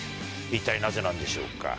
一体なぜなんでしょうか。